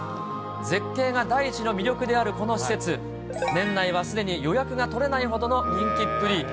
絶景が第一の魅力であるこの施設、年内はすでに予約が取れないほどの人気っぷり。